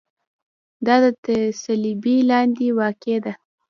دا د صلبیې لاندې واقع ده.